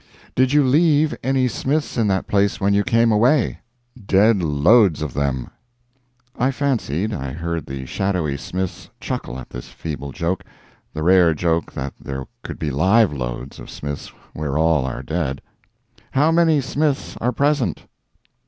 "Did you leave any Smiths in that place when you came away?" "Dead loads of them!" I fancied, I heard the shadowy Smiths chuckle at this feeble joke—the rare joke that there could be live loads of Smiths where all are dead. "How many Smiths are present?"